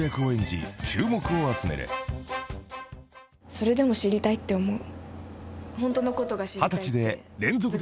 「それでも知りたいって思う」